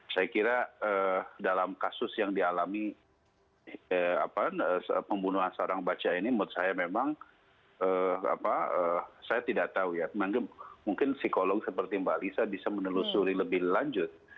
saya kira dalam kasus yang dialami pembunuhan seorang baca ini menurut saya memang saya tidak tahu ya mungkin psikolog seperti mbak lisa bisa menelusuri lebih lanjut